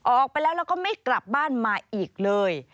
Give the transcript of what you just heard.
ออกไปแล้วแล้วก็ไม่กลับบ้านมาอีกเลย